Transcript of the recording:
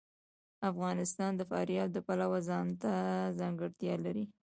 افغانستان د فاریاب د پلوه ځانته ځانګړتیا لري.